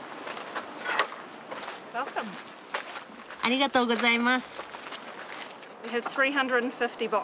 ありがとうございます。